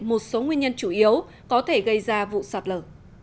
một số nguyên nhân chủ yếu có thể gây ra vụ sạt lở